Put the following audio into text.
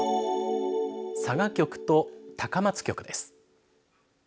佐賀局と高松局です。